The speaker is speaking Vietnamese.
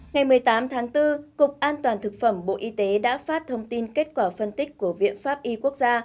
ngày một mươi tám tháng bốn cục an toàn thực phẩm bộ y tế đã phát thông tin kết quả phân tích của viện pháp y quốc gia